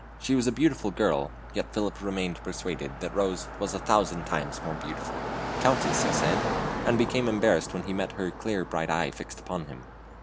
She was a beautiful girl; yet Philip remained persuaded that Rose was a thousand times more beautiful. "Countess," he said, and became embarrassed when he met her clear bright eye fixed upon him.